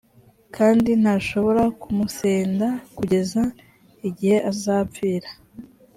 kandi ntashobora kumusenda kugeza igihe azapfira.